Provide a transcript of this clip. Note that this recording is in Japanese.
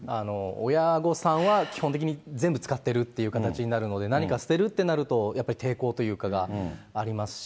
親御さんは基本的に全部使っているという形になるので、何か捨てるとなると、やっぱり抵抗というかがありますし。